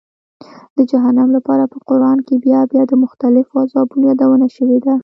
د جهنم لپاره په قرآن کې بیا بیا د مختلفو عذابونو یادونه شوې ده.